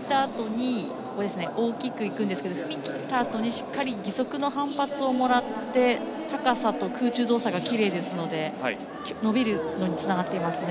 ただ、踏み切ったあとにしっかり義足の反発をもらって高さと空中動作がきれいですので伸びにつながっていますね。